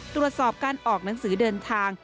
ตรวจสอบการออกหนังสือเดินทาง